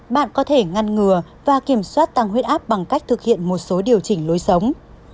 bạn có thể ngăn ngừa và kiểm soát tăng huyết áp bằng cách thực hiện một số điều chỉnh lối sống